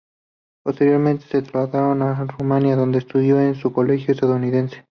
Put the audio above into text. Posteriormente se trasladaron a Rumania, donde estudió en un colegio estadounidense.